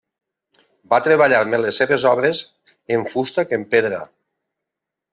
Va treballar més les seves obres en fusta que en pedra.